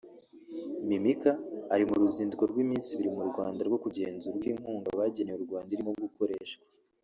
Mimica ari mu ruzinduko rw’iminsi ibiri mu Rwanda rwo kugenzura uko inkunga bageneye u Rwanda irimo gukoreshwa